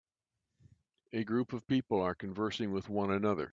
A group of people are conversing with one another.